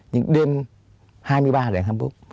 những đêm hai mươi ba đoạn hai mươi bốn